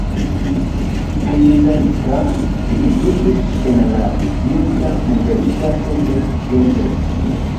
Hejmenveninta li instruis en la Scienca Universitato de Szeged.